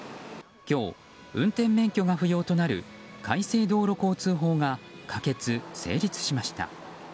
今日、運転免許が不要となる改正道路交通法が可決・成立しました。